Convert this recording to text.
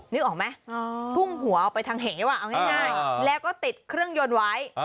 นึกออกไหมพุ่งหัวออกไปทางเหวเอาง่ายแล้วก็ติดเครื่องยนต์ไว้